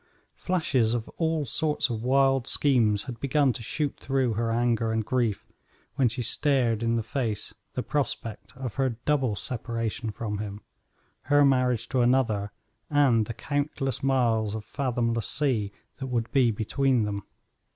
Flashes of all sorts of wild schemes had begun to shoot through her anger and grief when she stared in the face the prospect of her double separation from him her marriage to another, and the countless miles of fathomless sea that would be between them.